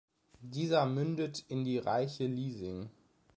Dieser mündet in die Reiche Liesing.